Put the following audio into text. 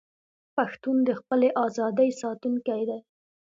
پښتون د خپلې ازادۍ ساتونکی دی.